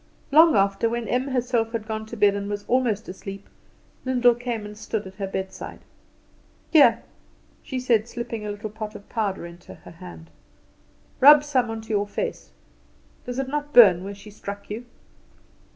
Long after, when Em herself had gone to bed and was almost asleep, Lyndall came and stood at her bedside. "Here," she said, slipping a little pot of powder into her hand; "rub some on to your face. Does it not burn where she struck you?"